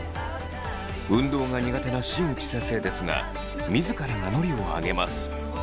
運動が苦手な新内先生ですが自ら名乗りを上げます。